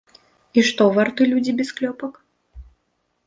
І што варты людзі без клёпак?